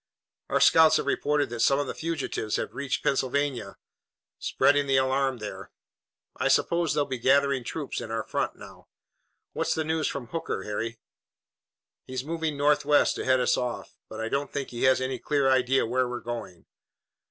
"Our scouts have reported that some of the fugitives have reached Pennsylvania, spreading the alarm there. I suppose they'll be gathering troops in our front now. What's the news from Hooker, Harry?" "He's moving northwest to head us off, but I don't think he has any clear idea where we're going."